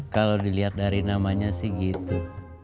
kalau dilihat dari namanya sih gitu